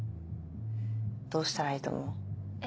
どうしたらいいと思う？え。